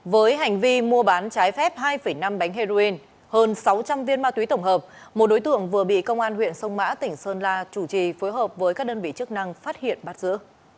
với hành vi mua bán trái phép hai năm bánh heroin hơn sáu trăm linh viên ma túy tổng hợp một đối tượng vừa bị công an huyện sông mã tỉnh sơn la chủ trì phối hợp với các đơn vị chức năng phát hiện bắt giữ